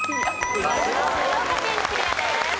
静岡県クリアです。